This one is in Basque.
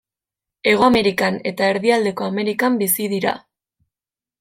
Hego Amerikan eta Erdialdeko Amerikan bizi dira.